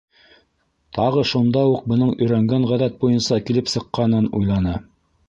Тағы шунда уҡ бының өйрәнгән ғәҙәт буйынса килеп сыҡҡанын уйланы.